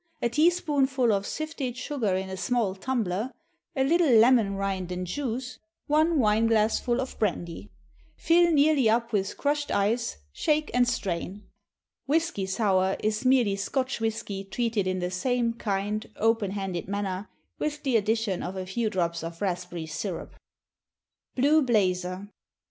A teaspoonful of sifted sugar in a small tumbler, a little lemon rind and juice, one wine glassful of brandy. Fill nearly up with crushed ice, shake and strain. WHISKY SOUR is merely Scotch whisky treated in the same kind, open handed manner, with the addition of a few drops of raspberry syrup. _Blue Blazer.